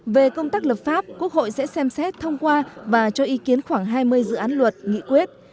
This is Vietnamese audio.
về công tác lập pháp quốc hội sẽ xem xét thông qua và cho ý kiến khoảng hai mươi dự án luật nghị quyết